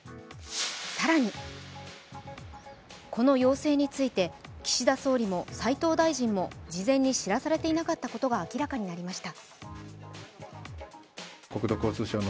更に、この要請について岸田総理も斉藤大臣も事前に知らされていなかったことが明らかになりました。